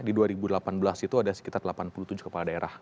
di dua ribu delapan belas itu ada sekitar delapan puluh tujuh kepala daerah